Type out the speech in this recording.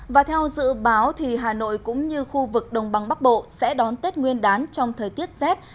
và theo dự báo hà nội cũng như khu vực đồng bằng bắc bộ sẽ đón tết nguyên đán trong thời tiết rét